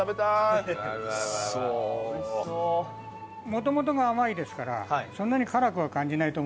もともとが甘いですからそんなに辛くは感じないと。